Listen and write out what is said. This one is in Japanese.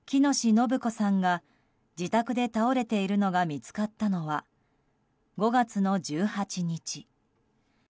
延子さんが自宅で倒れているのが見つかったのは５月の１８日。